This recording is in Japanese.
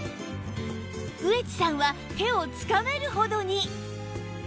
上地さんは手をつかめるほどに！